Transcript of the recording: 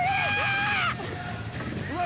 うわ！